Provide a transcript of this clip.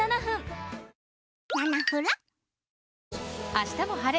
「あしたも晴れ！